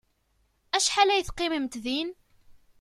Acḥal ay teqqimemt din?